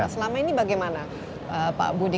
selama ini bagaimana pak budi